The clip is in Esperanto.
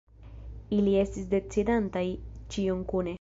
Ili estis decidantaj ĉion kune.